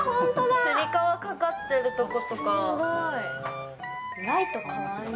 つり革かかってるとことか。